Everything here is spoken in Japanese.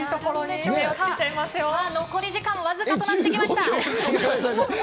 残り時間は僅かとなってきました。